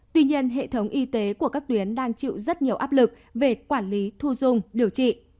tuy nhiên hệ thống y tế của các tuyến đang chịu rất nhiều áp lực về quản lý thu dung điều trị